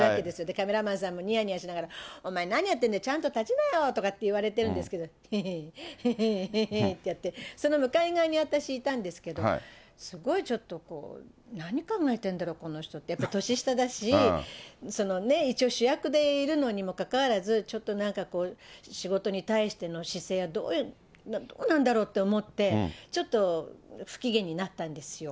カメラマンさんもにやにやしながら、お前、何やってるんだよ、ちゃんと立ちなよって言われてるんですけど、へへ、へへへってやって、その向かい側に私いたんですけれども、すごいちょっとこう、なに考えてんだろう、この人って、やっぱ年下だし、そのね、一応主役でいるのにもかかわらず、ちょっとなんかこう、仕事に対しての姿勢はどうなんだろうと思って、ちょっと不機嫌になったんですよ。